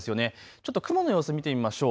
ちょっと雲の様子、見てみましょう。